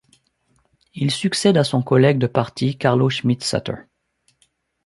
Il succède à son collègue de parti Carlo Schmid-Sutter.